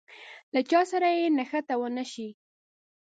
له چا سره يې نښته ونه شي.